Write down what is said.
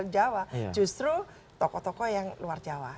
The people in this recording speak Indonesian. jawa justru tokoh tokoh yang luar jawa